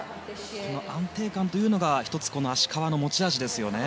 安定感というのが１つ、芦川の持ち味ですね。